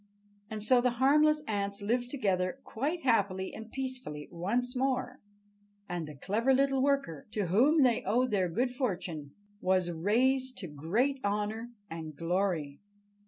And so the harmless ants lived together quite happily and peacefully once more, and the clever little worker, to whom they owed their good fortune, was raised to great honor and glory.